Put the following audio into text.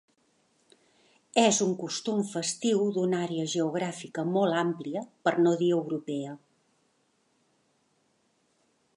És un costum festiu d’una àrea geogràfica molt àmplia, per no dir europea.